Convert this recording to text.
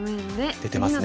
出てますね。